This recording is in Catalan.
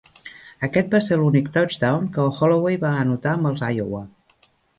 Aquest va ser l'únic "touchdown" que Holloway va anotar amb els Iowa.